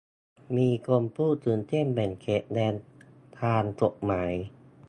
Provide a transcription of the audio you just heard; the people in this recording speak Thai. มีคนพูดถึงเส้นแบ่งเขตแดนทางกฎหมาย